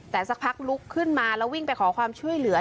แต่สักพักลุกขึ้นมาแล้ววิ่งไปขอความช่วยเหลือ